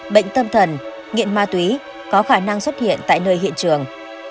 bệnh tâm thần nghiện ma túy có khả năng xuất hiện tại nơi hiện trường